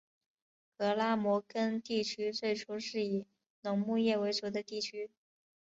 格拉摩根地区最初是以农牧业为主的地区。